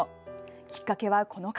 きっかけは、この方。